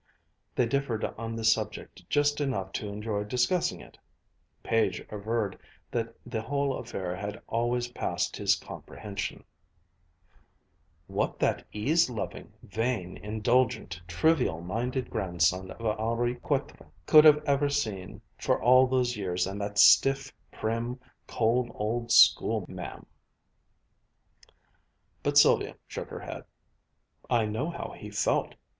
They differed on this subject just enough to enjoy discussing it. Page averred that the whole affair had always passed his comprehension, " what that ease loving, vain, indulgent, trivial minded grandson of Henri Quatre could ever have seen for all those years in that stiff, prim, cold old school ma'am " But Sylvia shook her head. "I know how he felt.